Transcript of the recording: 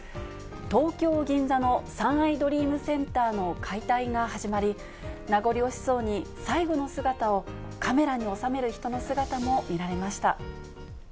東京・銀座の三愛ドリームセンターの解体が始まり、名残惜しそうに最後の姿をカメラに収める人の姿も見られました。